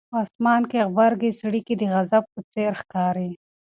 په اسمان کې غبرګې څړیکې د غضب په څېر ښکاري.